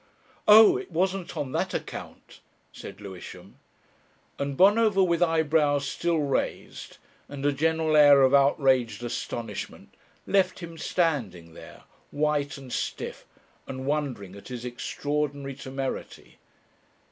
"Oh! it wasn't on that account," said Lewisham, and Bonover with eyebrows still raised and a general air of outraged astonishment left him standing there, white and stiff, and wondering at his extraordinary temerity.